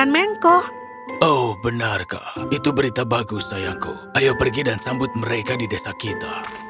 mengko ayo pergi dan sambut mereka di desa kita